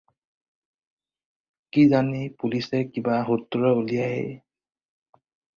কি জানি পুলিচে কিবা সূত্ৰ উলিয়ায়েই।